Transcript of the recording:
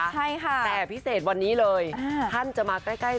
ใช่ค่ะแต่พิเศษวันนี้เลยท่านจะมาใกล้